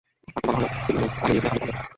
তাকে বলা হল, তিনি হলেন আলী ইবনে আবু তালেব।